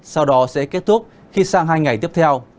sau đó sẽ kết thúc khi sang hai ngày tiếp theo